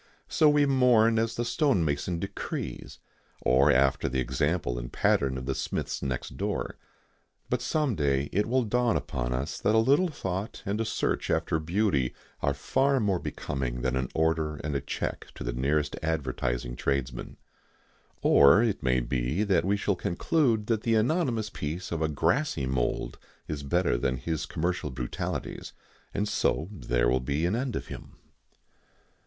So we mourn as the stonemason decrees, or after the example and pattern of the Smiths next door. But some day it will dawn upon us that a little thought and a search after beauty are far more becoming than an order and a cheque to the nearest advertising tradesman. Or it may be we shall conclude that the anonymous peace of a grassy mould is better than his commercial brutalities, and so there will be an end of him.